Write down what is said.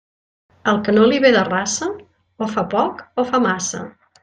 Al que no li ve de raça, o fa poc o fa massa.